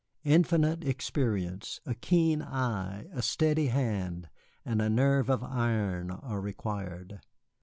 Infinite experience, a keen eye, a steady hand, and a nerve of iron are required.